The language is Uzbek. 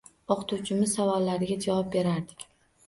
O‘qituvchimiz savollariga javob berardik.